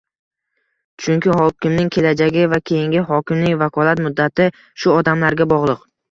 Chunki hokimning kelajagi va keyingi hokimning vakolat muddati shu odamlarga bog'liq